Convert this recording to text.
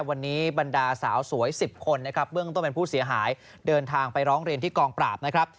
วันนี้บรรดาสาวสวย๑๐คนนะครับเบื้องต้นเป็นผู้เสียหายเดินทางไปร้องเรียนที่กองปราบนะครับ